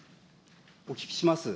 お聞きします。